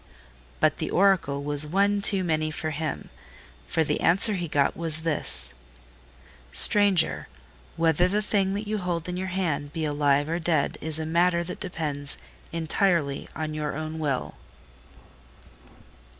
But the Oracle was one too many for him, for the answer he got was this: "Stranger, whether the thing that you hold in your hand be alive or dead is a matter that depends entirely on your own will."